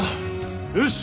よし！